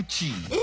え？